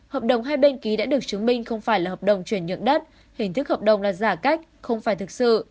hợp đồng hai bên ký đã được chứng minh không phải là hợp đồng chuyển nhượng đất hình thức hợp đồng là giả cách không phải thực sự